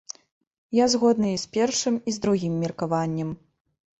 Я згодны і з першым, і з другім меркаваннем.